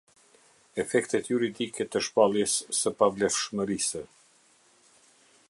Efektet juridike të shpalljes së pavlefshmërisë.